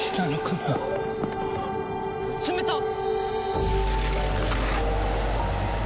冷たっ！